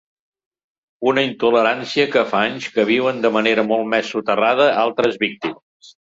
Una intolerància que fa anys que viuen de manera molt més soterrada altres víctimes.